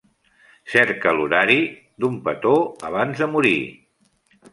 Cerca l'horari d'Un petó abans de morir.